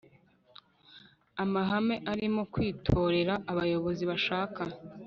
amahame arimo kwitorera abayobozi bashaka